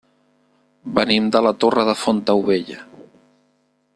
Venim de la Torre de Fontaubella.